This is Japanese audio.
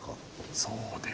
そうです。